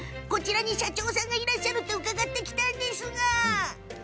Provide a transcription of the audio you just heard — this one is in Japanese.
こちらに社長さんがいらっしゃるって伺ってきたんですが。